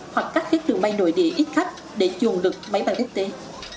hoặc cắt các đường bay nội địa ít khách để chuồn lực máy bay vietjet